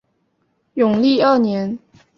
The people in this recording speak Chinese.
永历二年。